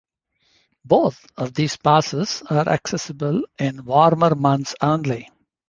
Both of these passes are accessible in warmer months only.